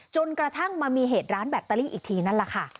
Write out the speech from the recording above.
จนกระทั่งมามีเหตุร้านแบตเตอรี่อีกทีนั่นแหละค่ะ